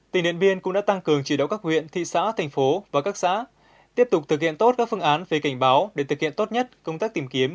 tỉnh điện biên cũng đã tăng cường chỉ đạo các huyện thị xã thành phố và các xã tiếp tục thực hiện tốt các phương án về cảnh báo để thực hiện tốt nhất công tác tìm kiếm